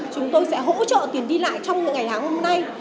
chúng tôi sẽ hỗ trợ tiền đi lại trong những ngày tháng hôm nay